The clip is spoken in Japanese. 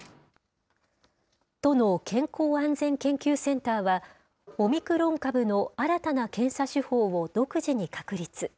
都の健康安全研究センターは、オミクロン株の新たな検査手法を独自に確立。